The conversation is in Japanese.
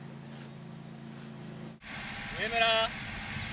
上村！